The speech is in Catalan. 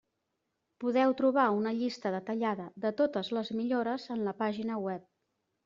Podeu trobar una llista detallada de totes les millores en la pàgina web.